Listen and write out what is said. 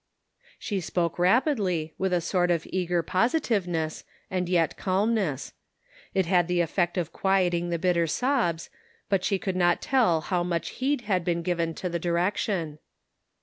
She spoke rapidly, with a sort of eager positiveness, and yet calmness. It had the effect of quieting the bitter sobs, but she could not tell how much heed had been given to the direction.